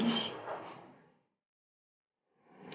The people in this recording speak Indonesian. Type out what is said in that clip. izinkanlah ya allah